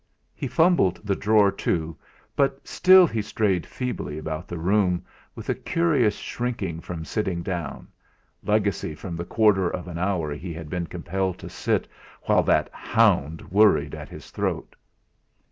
He fumbled the drawer to; but still he strayed feebly about the room, with a curious shrinking from sitting down, legacy from the quarter of an hour he had been compelled to sit while that hound worried at his throat.